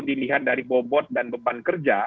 dilihat dari bobot dan beban kerja